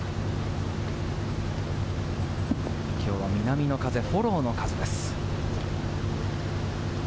きょうは南の風、フォローの風です。